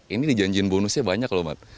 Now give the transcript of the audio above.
ini dijanjiin bonusnya banyak loh mat